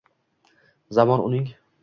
Zamon uning